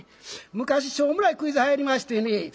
昔しょうもないクイズはやりましてね。